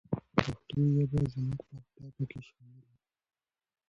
پښتو ژبه زموږ په اهدافو کې شامله ده.